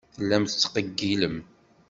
Tellam tettqeyyilem.